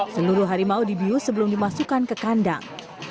seluruh harimau dibius sebelum dimasukkan ke kandang